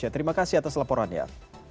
terima kasih atas laporannya